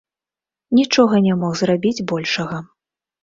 Нічога не мог зрабіць большага.